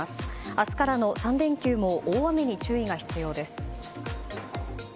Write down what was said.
明日からの３連休も大雨に注意が必要です。